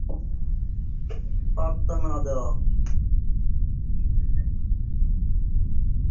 সচরাচর কর্মক্ষেত্রে উপযুক্ত কিন্তু কঠিন কাজের দায়িত্ব দেওয়া হয়না এবং অনেকসময় সহপাঠী বা সহকর্মীরা এদের কথা বিশ্বাস করতে চান না।